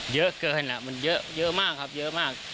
เยอะเกินแล้วมันเยอะเยอะมากครับเยอะมาก